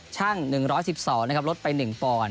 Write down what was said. ชั่ง๑๑๒นะครับลดไป๑ปอน